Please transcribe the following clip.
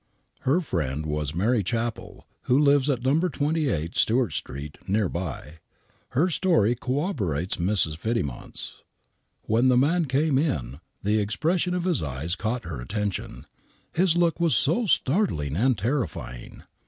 Her friend was Mary Chappell, who lives at No. 28 Stewart Street, near by. Her story corroborates Mrs. Fiddymont's. When (the man came in the expression of his eyes caught her attention, his look was so startling and terrifying.